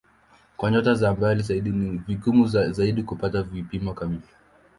Kwa nyota za mbali zaidi ni vigumu zaidi kupata vipimo kamili.